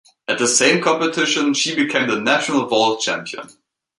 At the same competition, she became the national vault champion.